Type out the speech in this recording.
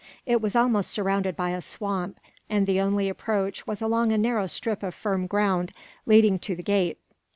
It was almost surrounded by a swamp, and the only approach was along a narrow strip of firm ground, leading to the gate.